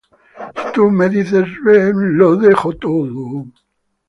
Si tú me dices ven, lo dejo todo